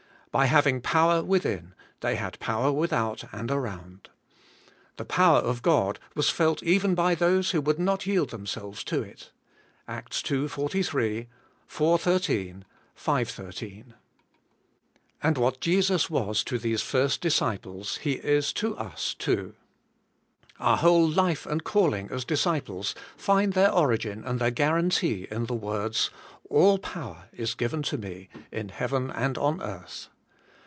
By having power within, they had power without and around. 14 210 ABIDE IN CHRIST: The power of God was felt even by those who would not yield themselves to it {Acts it. 4S^ iv. 18^ v, IS). And what Jesus was to these first disciples, He is to us too. Our whole life and calling as disciples find their origin and their guarantee in the words: 'All power is given to me in heaven and on earth.